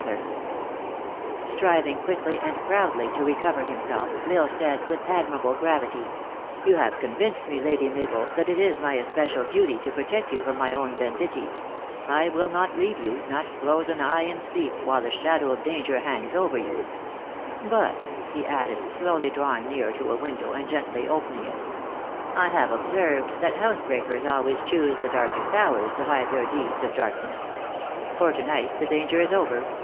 THE ACTRESS IN HIGH LIFE. 375 Striving quickly and proudly to recover himself, L Isle said, with admirable gravity, " You have con vinced me, Lady Mabel, that it is my especial duty to protect you from my own banditti. I will not leave you, not close an eye in sleep, while a shadow of dan ger hangs over you. But," he added, slowly drawing near to a window, and gently opening it, "I have ob served that house breakers always choose the darkest hours to hide their deeds of darkness. For to night the danger is over.